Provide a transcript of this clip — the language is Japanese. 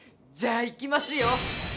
じゃあいきますよ！